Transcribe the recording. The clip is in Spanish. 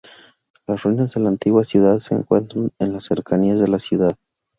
Las ruinas de la antigua ciudad se encuentran en las cercanías de la ciudad.